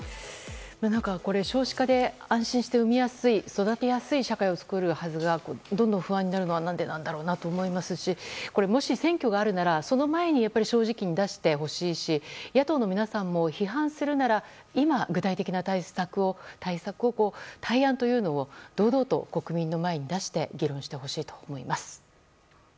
少子化で安心して生みやすい、育てやすい社会を作るはずがどんどん不安になるのはなんでなんだろうなと思いますしもし選挙があるなら正直に出してほしいし野党の皆さんも批判するなら今、具体的な対策を対案というのを堂々と国民の前に出して議論してほしいと思います。